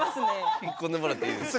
引っ込んでもらっていいですか？